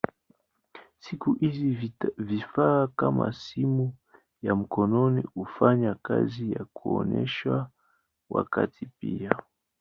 Siku hizi vifaa kama simu ya mkononi hufanya kazi ya kuonyesha wakati pia.